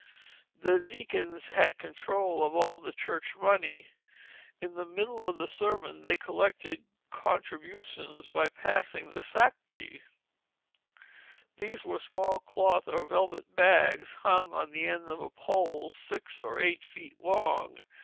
The deacons had control of all the church money. In the middle of the sermon they collected contributions by passing sacjes. These were small cloth or velvet bags hung on the end of a pole six or eight feet long.